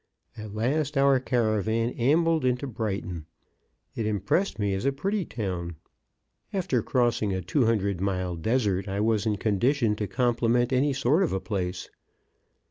At last our caravan ambled into Brighton. It impressed me as a pretty town; after crossing a two hundred mile desert, I was in condition to compliment any sort of a place.